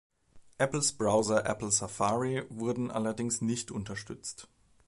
Apples Browser Apple Safari wurden allerdings nicht unterstützt.